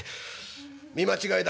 見間違えだ」。